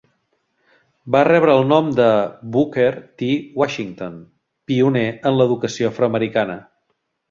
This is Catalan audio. Va rebre el nom de Booker T. Washington, pioner en l'educació afroamericana.